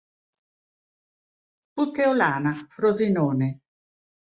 Puteolana; Frosinone.